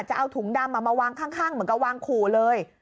จะเอาถุงดำมาวางข้างเหมือนกับวางขู่เลย